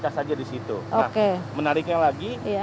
mengecas aja disitu nah menariknya lagi